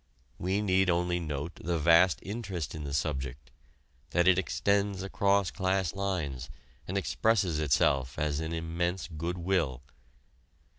We need only note the vast interest in the subject that it extends across class lines, and expresses itself as an immense good will.